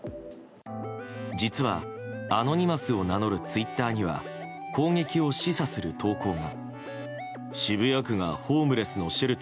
実は、アノニマスを名乗るツイッターには攻撃を示唆する投稿が。